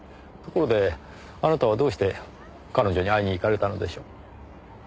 ところであなたはどうして彼女に会いにいかれたのでしょう？